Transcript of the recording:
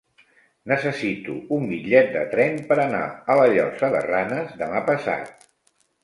Necessito un bitllet de tren per anar a la Llosa de Ranes demà passat.